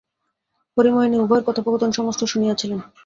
হরিমোহিনী উভয়ের কথোপকথন সমস্ত শুনিয়াছিলেন।